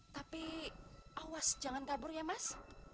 tapi awas jangan kabur ya mas